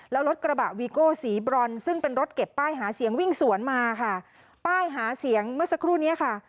แล้วรถกระบะวีโก้สีบรอนซึ่งเป็นรถเก็บป้ายหาเสียงวิ่งสวนมาค่ะป้ายหาเสียงเมื่อสักครู่เนี้ยค่ะ